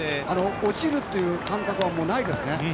落ちるという感覚はないですね。